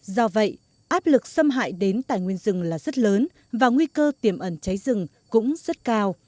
do vậy áp lực xâm hại đến tài nguyên rừng là rất lớn và nguy cơ tiềm ẩn cháy rừng cũng rất cao